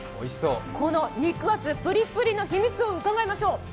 この肉厚、ぷりぷりの秘密を伺いましょう。